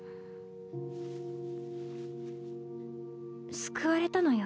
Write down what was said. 救われたのよ